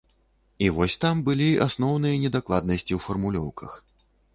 І вось там былі асноўныя недакладнасці ў фармулёўках.